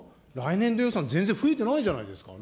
来年度予算、全然増えてないじゃないですか。